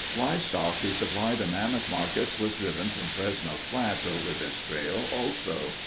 Livestock to supply the Mammoth markets was driven from Fresno Flats over this trail, also.